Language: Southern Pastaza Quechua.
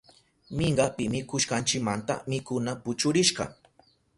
Minkapi mikushkanchimanta mikuna puchurishka.